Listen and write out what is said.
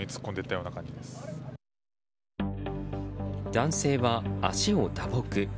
男性は足を打撲。